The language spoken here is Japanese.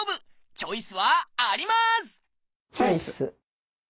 チョイス！